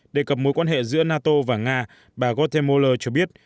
đề cập mối quan hệ giữa nato và nga bà gautamola cho biết